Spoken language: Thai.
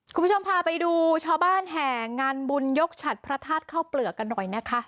คุณผู้ชมพาไปดูชาวบ้านแห่งานบุญยกฉัดพระธาตุเข้าเปลือกกันหน่อยนะคะ